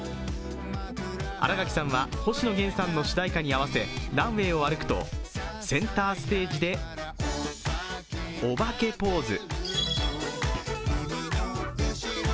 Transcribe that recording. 新垣さんは星野源さんの主題歌に合わせランウェイを歩くとセンターステージでおばけポーズ。